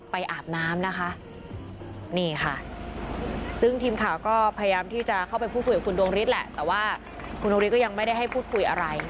อาบน้ำนะคะนี่ค่ะซึ่งทีมข่าวก็พยายามที่จะเข้าไปพูดคุยกับคุณดวงฤทธิ์แหละแต่ว่าคุณดวงฤทธิ์ยังไม่ได้ให้พูดคุยอะไร